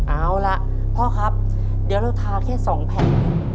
เอาล่ะพ่อครับเดี๋ยวเราทาแค่๒แผ่น